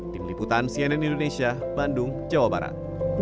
tim liputan cnn indonesia bandung jawa barat